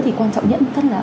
thì quan trọng nhất